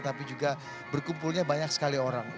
tapi juga berkumpulnya banyak sekali orang